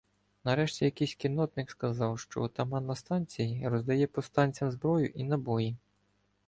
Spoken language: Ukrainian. Нарешті якийсь кіннотник сказав, що отаман на станції роздає повстанцям зброю і набої.